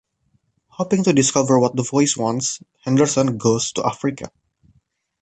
Hoping to discover what the voice wants, Henderson goes to Africa.